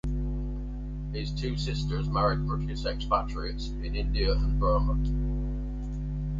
His two sisters married British expatriates in India and Burma.